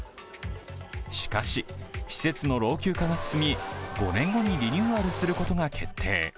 しかし、施設の老朽化が進み５年後にリニューアルすることが決定。